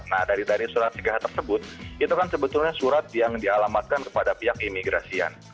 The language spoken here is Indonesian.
nah dari surat tiga hal tersebut itu kan sebetulnya surat yang dialamatkan kepada pihak imigrasian